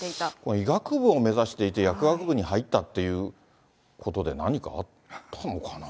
医学部を目指していて、薬学部に入ったということで、何かあったのかな。